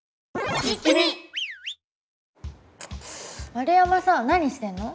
円山さん何してんの？